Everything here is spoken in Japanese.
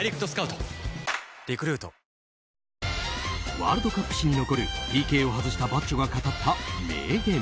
ワールドカップ史に残るＰＫを外したバッジョが語った名言。